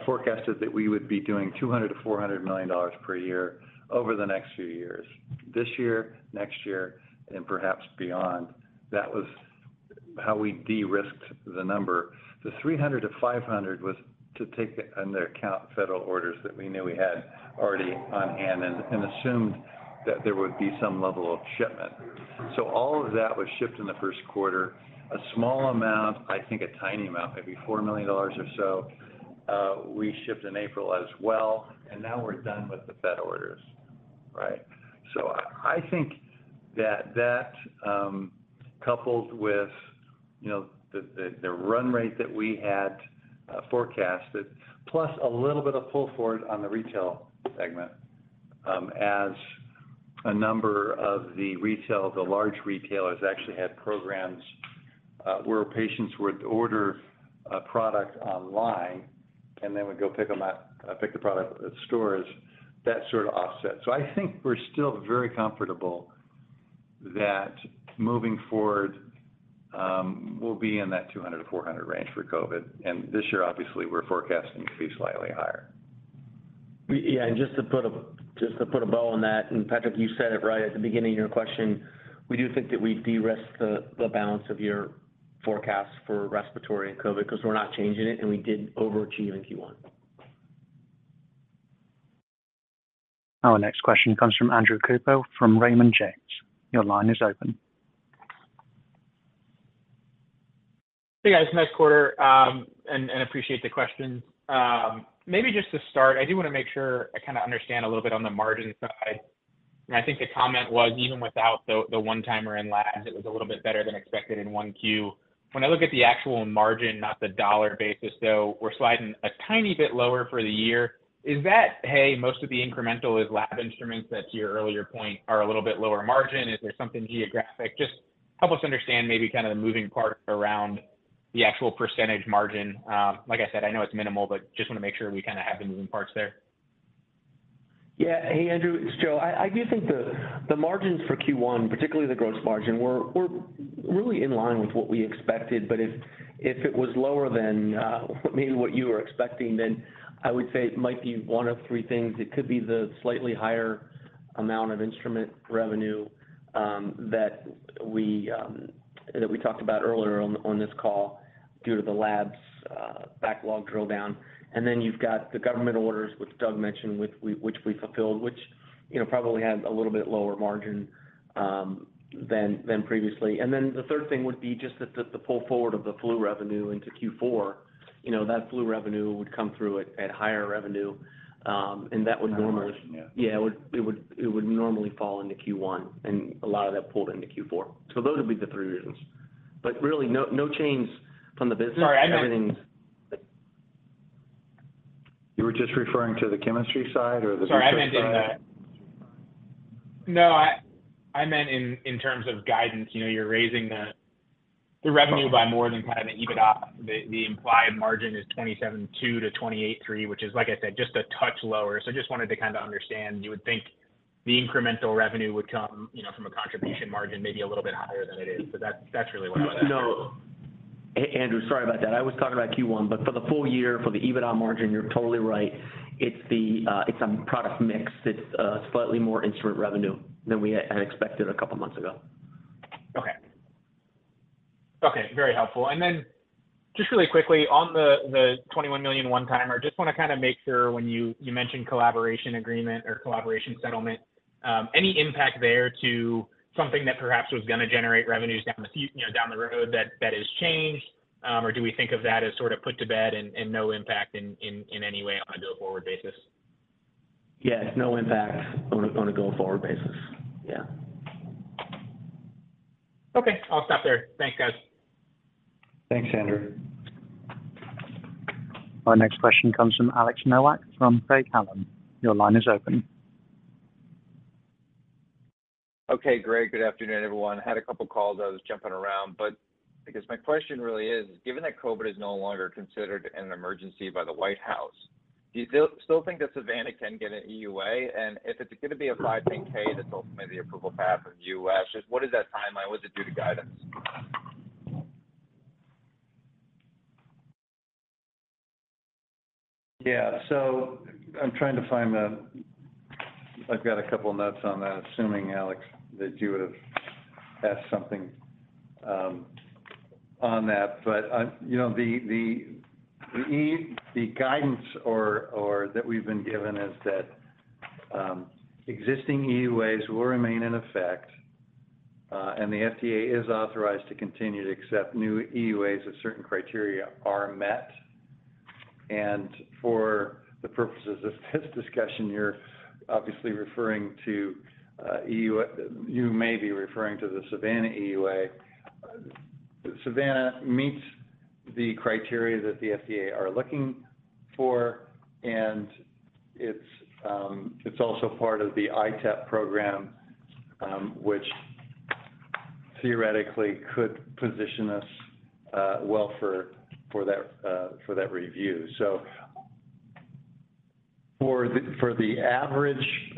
forecasted that we would be doing $200 million-$400 million per year over the next few years. This year, next year, and perhaps beyond. That was how we de-risked the number. The $300 million-$500 million was to take into account federal orders that we knew we had already on hand and assumed that there would be some level of shipment. All of that was shipped in the first quarter. A small amount, I think a tiny amount, maybe $4 million or so, we shipped in April as well. Now we're done with the fed orders, right? I think that that, coupled with, you know, the, the run rate that we had, forecasted, plus a little bit of pull forward on the retail segment, as a number of the retail, the large retailers actually had programs, where patients would order a product online and then would go pick them up, pick the product at the stores, that sort of offset. I think we're still very comfortable that moving forward, we'll be in that $200 million-$400 million range for COVID. This year, obviously, we're forecasting to be slightly higher. Yeah. Just to put a bow on that, and Patrick, you said it right at the beginning of your question, we do think that we de-risked the balance of your forecast for respiratory and COVID because we're not changing it and we did overachieve in Q1. Our next question comes from Andrew Cooper from Raymond James. Your line is open. Hey, guys. Nice quarter, and appreciate the question. Maybe just to start, I do want to make sure I kind of understand a little bit on the margin side. I think the comment was even without the one-timer in labs, it was a little bit better than expected in 1Q. When I look at the actual margin, not the dollar basis, though, we're sliding a tiny bit lower for the year. Is that, hey, most of the incremental is lab instruments that, to your earlier point, are a little bit lower margin? Is there something geographic? Just help us understand maybe kind of the moving part around the actual percentage margin. Like I said, I know it's minimal, but just want to make sure we kind of have the moving parts there. Hey, Andrew, it's Joe. I do think the margins for Q1, particularly the gross margin, were really in line with what we expected. If it was lower than maybe what you were expecting, then I would say it might be one of three things. It could be the slightly higher amount of instrument revenue that we talked about earlier on this call due to the labs backlog drill down. You've got the government orders, which Doug mentioned, which we fulfilled, which, you know, probably had a little bit lower margin than previously. The third thing would be just the pull forward of the flu revenue into Q4. You know, that flu revenue would come through at higher revenue, and that would normally. Higher margin, yeah. Yeah. It would normally fall into Q1, and a lot of that pulled into Q4. Those would be the three reasons. Really no change from the business. Sorry. Everything's- You were just referring to the chemistry side or the instrument side? Sorry, I meant in terms of guidance. You know, you're raising the revenue by more than kind of the EBITDA. The implied margin is 27.2%-28.3%, which is, like I said, just a touch lower. Just wanted to kind of understand. You would think the incremental revenue would come, you know, from a contribution margin maybe a little bit higher than it is, but that's really what I was asking. No. Andrew, sorry about that. I was talking about Q1. For the full year, for the EBITDA margin, you're totally right. It's the product mix that's slightly more instrument revenue than we had expected a couple of months ago. Okay, very helpful. Then just really quickly on the $21 million one-timer, just want to kind of make sure when you mentioned collaboration agreement or collaboration settlement, any impact there to something that perhaps was going to generate revenues you know, down the road that has changed? Or do we think of that as sort of put to bed and no impact in any way on a go forward basis? Yeah, it's no impact on a go forward basis. Yeah. Okay. I'll stop there. Thanks, guys. Thanks, Andrew. Our next question comes from Alex Nowak from Craig-Hallum. Your line is open. Okay, great. Good afternoon, everyone. Had a couple calls. I was jumping around, but I guess my question really is, given that COVID is no longer considered an emergency by the White House, do you still think that Savanna can get an EUA? If it's gonna be a 510(k) that's ultimately the approval path in the U.S., just what is that timeline? What does it do to guidance? I'm trying to find I've got a couple notes on that, assuming Alex, that you would have asked something on that. You know, the guidance or that we've been given is that existing EUAs will remain in effect, and the FDA is authorized to continue to accept new EUAs if certain criteria are met. For the purposes of this discussion, you're obviously referring to you may be referring to the Savanna EUA. Savanna meets the criteria that the FDA are looking for, and it's also part of the ITAP program, which theoretically could position us well for that for that review. For the, for the average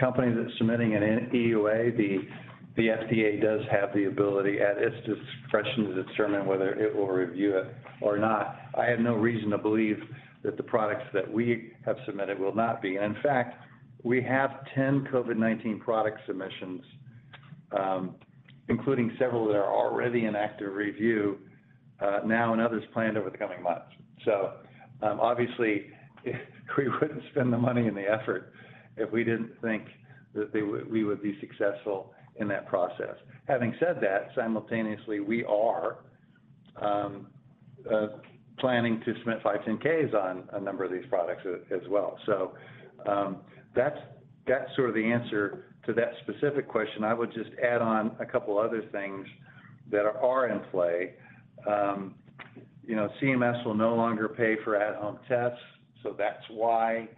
company that's submitting an EUA, the FDA does have the ability at its discretion to determine whether it will review it or not. I have no reason to believe that the products that we have submitted will not be. In fact, we have 10 COVID-19 product submissions, including several that are already in active review now and others planned over the coming months. Obviously we wouldn't spend the money and the effort if we didn't think that we would be successful in that process. Having said that, simultaneously, we are planning to submit five 510(k)s on a number of these products as well. That's, that's sort of the answer to that specific question. I would just add on a couple other things that are in play. you know, CMS will no longer pay for at-home tests, so that's why,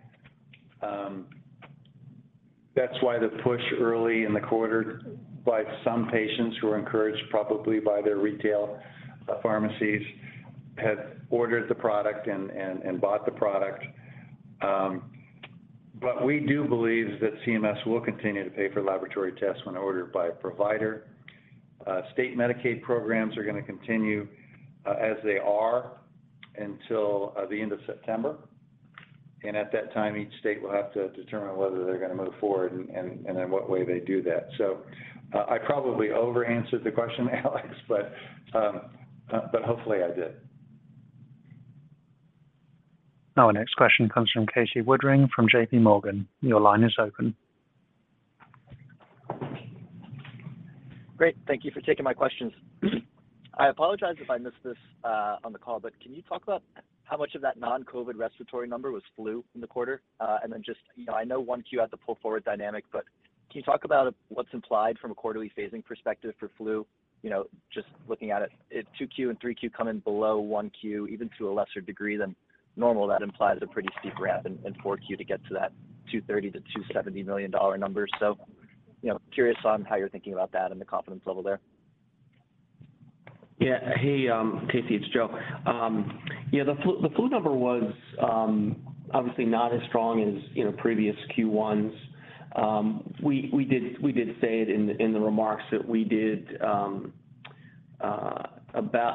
that's why the push early in the quarter by some patients who are encouraged probably by their retail, pharmacies, had ordered the product and bought the product. We do believe that CMS will continue to pay for laboratory tests when ordered by a provider. State Medicaid programs are gonna continue as they are until the end of September. At that time, each state will have to determine whether they're gonna move forward and in what way they do that. I probably over answered the question, Alex, but hopefully I did. Our next question comes from Casey Woodring from J.P. Morgan. Your line is open. Great. Thank you for taking my questions. I apologize if I missed this on the call, but can you talk about how much of that non-COVID respiratory number was flu in the quarter? And then just, you know, I know 1Q had the pull forward dynamic, but can you talk about what's implied from a quarterly phasing perspective for flu? You know, just looking at it, if 2Q and 3Q come in below 1Q, even to a lesser degree than normal, that implies a pretty steep ramp in 4Q to get to that $230 million-$270 million numbers. You know, curious on how you're thinking about that and the confidence level there. Yeah. Hey, Casey, it's Joe. Yeah, the flu, the flu number was obviously not as strong as, you know, previous Q1s. We did say it in the remarks that we did.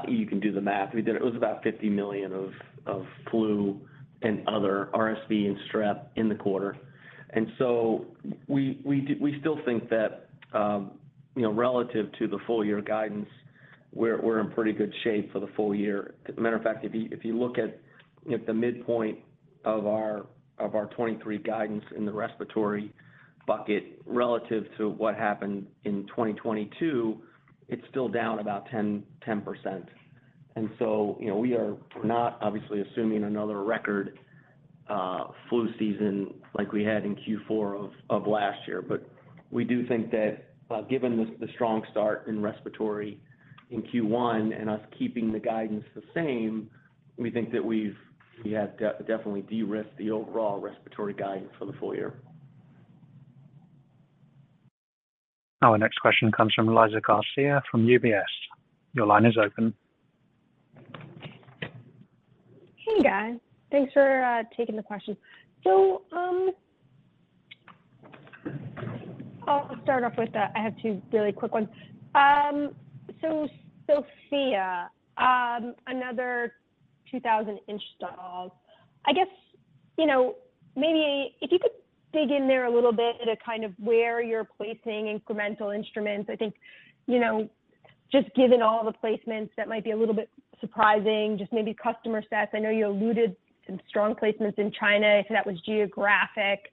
You can do the math. It was about $50 million of flu and other RSV and strep in the quarter. We still think that, you know, relative to the full year guidance, we're in pretty good shape for the full year. Matter of fact, if you look at the midpoint of our 2023 guidance in the respiratory bucket relative to what happened in 2022, it's still down about 10%. you know, we are not obviously assuming another record, flu season like we had in Q4 of last year. We do think that, given the strong start in respiratory in Q1 and us keeping the guidance the same, we think that we have definitely de-risked the overall respiratory guidance for the full year. Our next question comes from Liza Garcia from UBS. Your line is open. Hey, guys. Thanks for taking the question. I'll start off with. I have two really quick ones. SOFIA, another 2,000 installs. I guess, you know, maybe if you could dig in there a little bit to kind of where you're placing incremental instruments. I think, you know, just given all the placements, that might be a little bit surprising. Just maybe customer sets. I know you alluded some strong placements in China, so that was geographic.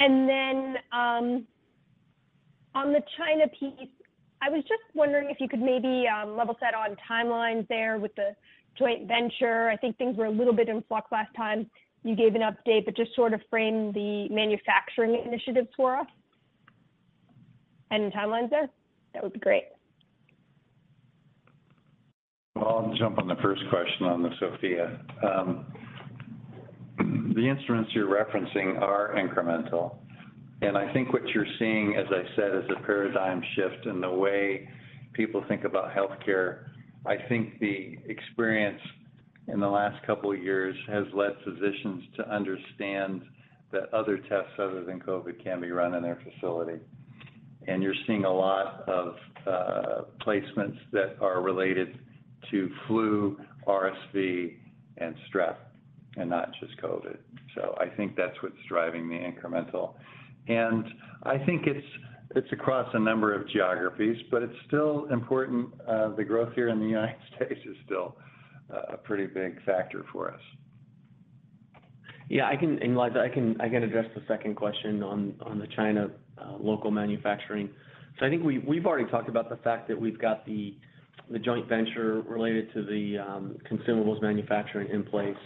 On the China piece, I was just wondering if you could maybe level set on timelines there with the joint venture. I think things were a little bit in flux last time you gave an update, but just sort of frame the manufacturing initiatives for us. Any timelines there? That would be great. Well, I'll jump on the first question on the SOFIA. The instruments you're referencing are incremental. I think what you're seeing, as I said, is a paradigm shift in the way people think about healthcare. I think the experience in the last couple of years has led physicians to understand that other tests other than COVID can be run in their facility. You're seeing a lot of placements that are related to flu, RSV, and strep, and not just COVID. I think that's what's driving the incremental. I think it's across a number of geographies, but it's still important. The growth here in the United States is still a pretty big factor for us. Yeah, and Liza, I can address the second question on the China local manufacturing. I think we've already talked about the fact that we've got the joint venture related to the consumables manufacturing in place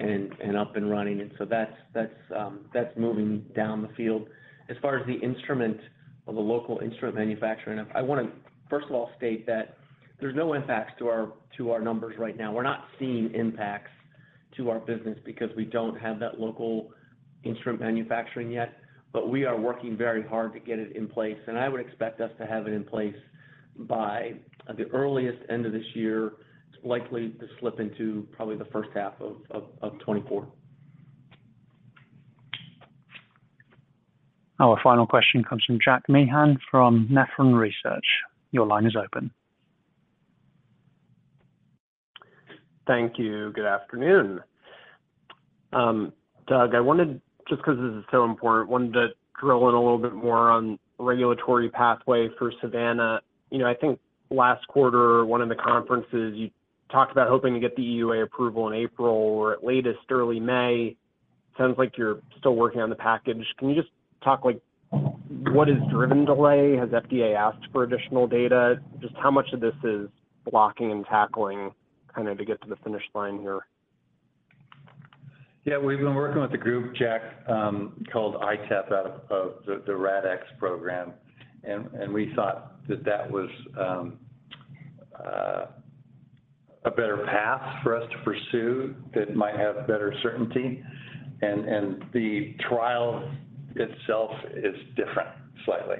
and up and running. That's moving down the field. As far as the instrument or the local instrument manufacturing, I want to, first of all, state that there's no impacts to our numbers right now. We're not seeing impacts to our business because we don't have that local instrument manufacturing yet, but we are working very hard to get it in place, and I would expect us to have it in place by the earliest end of this year. It's likely to slip into probably the first half of 2024. Our final question comes from Jack Meehan from Nephron Research. Your line is open. Thank you. Good afternoon. Doug, just 'cause this is so important, wanted to drill in a little bit more on regulatory pathway for Savanna. You know, I think last quarter or one of the conferences, you talked about hoping to get the EUA approval in April or at latest early May. Sounds like you're still working on the package. Can you just talk like what has driven delay? Has FDA asked for additional data? Just how much of this is blocking and tackling kind of to get to the finish line here? Yeah. We've been working with a group, Jack, called ITAP out of the RADx program, and we thought that that was a better path for us to pursue that might have better certainty. The trial itself is different slightly.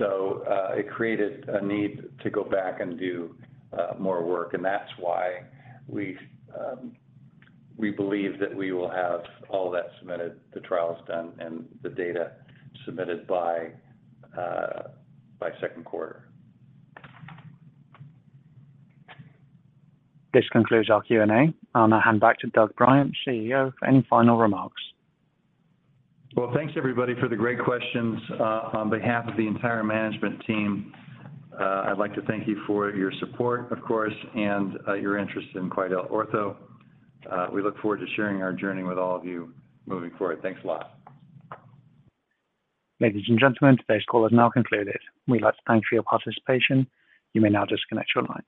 It created a need to go back and do more work, and that's why we believe that we will have all that submitted, the trials done, and the data submitted by second quarter. This concludes our Q&A. I'll now hand back to Doug Bryant, CEO, for any final remarks. Well, thanks everybody for the great questions. On behalf of the entire management team, I'd like to thank you for your support, of course, and your interest in QuidelOrtho. We look forward to sharing our journey with all of you moving forward. Thanks a lot. Ladies and gentlemen, today's call has now concluded. We'd like to thank you for your participation. You may now disconnect your lines.